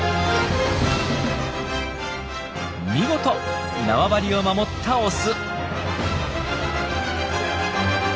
見事縄張りを守ったオス。